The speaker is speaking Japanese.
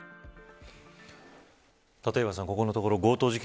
立岩さん、ここのところ強盗事件